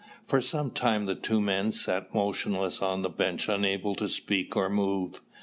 For some time the two men sat motionless on the bench unable to speak or move.